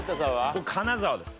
僕金沢です。